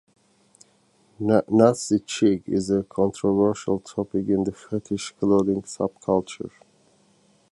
Nazi chic is a controversial topic in the fetish clothing subculture.